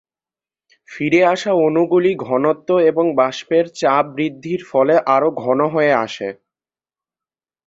ফিরে আসা অণুগুলি ঘনত্ব এবং বাষ্পের চাপ বৃদ্ধির ফলে আরও ঘন হয়ে আসে।